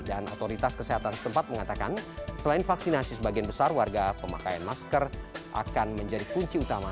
dan otoritas kesehatan setempat mengatakan selain vaksinasi sebagian besar warga pemakaian masker akan menjadi kunci utama